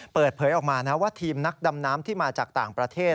เปิดเผยออกมานะว่าทีมนักดำน้ำที่มาจากต่างประเทศ